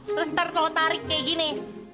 terus ntar kalau tarik kayak gini